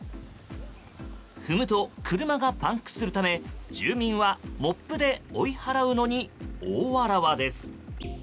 踏むと車がパンクするため住民はモップで追い払うのに大わらわです。